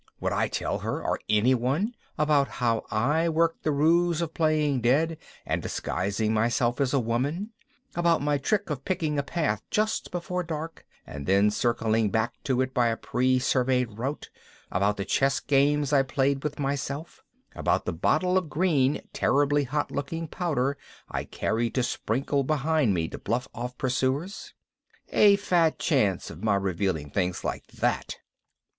Would I tell her, or anyone, about how I worked the ruses of playing dead and disguising myself as a woman, about my trick of picking a path just before dark and then circling back to it by a pre surveyed route, about the chess games I played with myself, about the bottle of green, terribly hot looking powder I carried to sprinkle behind me to bluff off pursuers? A fat chance of my revealing things like that!